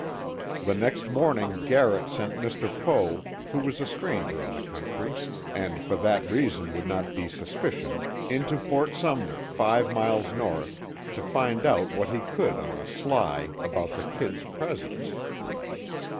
The next morning Garrett sent Mr. Poe, who was a stranger in the country, and for that reason would not be suspicioned, into Fort Sumner, five miles north, to find out what he could on the sly, about the "Kid's" presence.